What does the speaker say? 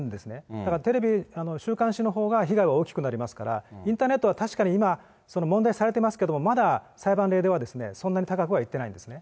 だから、週刊誌のほうが被害は大きくなりますから、インターネットは確かに今、問題視されていますけれども、まだ裁判例では、そんなに高くはいってないんですね。